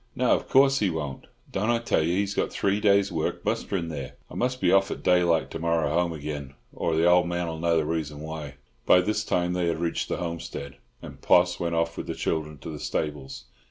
"No, of course he won't. Don't I tell you he's got three days' work musterin' there? I must be off at daylight to morrow, home again, or the old man'll know the reason why." By this time they had reached the homestead, and Poss went off with the children to the stables.